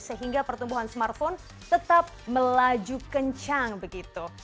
sehingga pertumbuhan smartphone tetap melaju kencang begitu